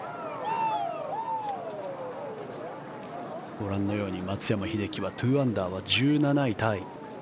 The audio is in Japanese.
ご覧のように、松山英樹は２アンダーは１７位タイ。